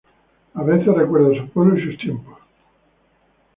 A veces, recuerda su pueblo y sus tiempos.